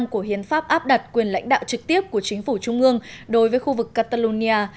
của hiến pháp áp đặt quyền lãnh đạo trực tiếp của chính phủ trung ương đối với khu vực catalonia